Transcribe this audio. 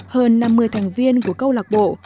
hơn năm mươi thành viên của câu lạc bộ